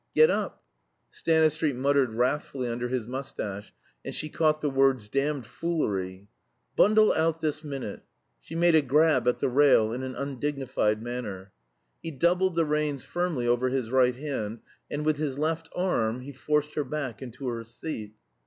"Get up." Stanistreet muttered wrathfully under his mustache, and she caught the words "damned foolery." "Bundle out this minute." She made a grab at the rail in an undignified manner. He doubled the reins firmly over his right hand, and with his left arm he forced her back into her seat.